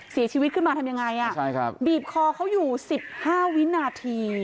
สีชีวิตขึ้นมาทำยังไงใช่ครับบีบคอเขาอยู่สิบห้าวินาที